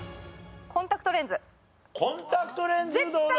コンタクトレンズどうだ？